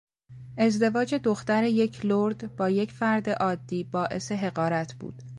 ازدواج دختر یک لرد با یک فرد عادی باعث حقارت بود.